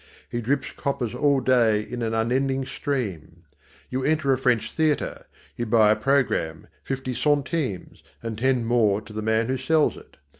He drips coppers all day in an unending stream. You enter a French theatre. You buy a programme, fifty centimes, and ten more to the man who sells it.